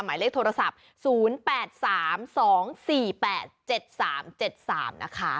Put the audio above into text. หมายเลขโทรศัพท์๐๘๓๒๔๘๗๓๗๓นะคะ